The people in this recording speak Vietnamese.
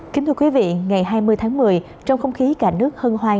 kính thưa quý vị ngày hai mươi tháng một mươi trong không khí cả nước hân hoan